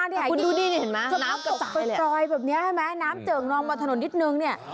คุณดูนี่เห็นมั้ยน้ำกระสายแบบนี้น้ำเจอกนองมาถนนนิดนึงเนี่ย